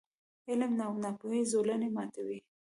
• علم، د ناپوهۍ زولنې ماتوي.